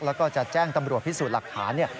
แล้วก็จะแจ้งตำรวจพิสูจน์หลักฐาน